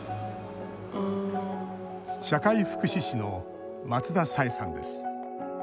社会福祉士の松田彩絵さんです。